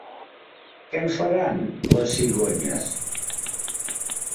Què en faran, les cigonyes?